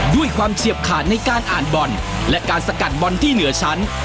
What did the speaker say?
ด้วยความเฉียบขาดในการอ่านบอลและการสกัดบอลที่เหนือชั้น